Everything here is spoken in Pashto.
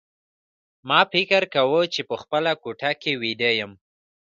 ما فکر کاوه چې په خپله کوټه کې ویده یم